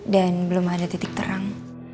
dan belum ada titik terang